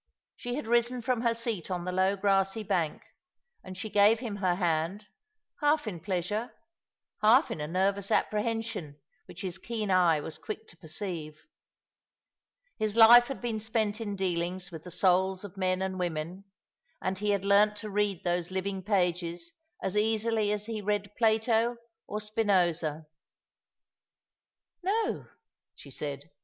She had risen from her seat on the low grassy bank, and she gave him her hand, half in pleasure, half in a nervous apprehension which his keen eye was quick to perceive. His life had been spent in dealings with the souls of men and women, and he had learnt to read those living pages as easily as he read Plato or Spinosa. " No," she said.